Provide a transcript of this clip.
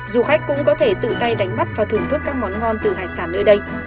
du khách cũng có thể tự tay đánh bắt và thưởng thức các món ngon từ hải sản nơi đây